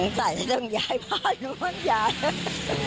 สงสัยจะต้องย้ายบ้านโลักษณ์เลยน้อง